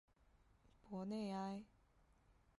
博内埃。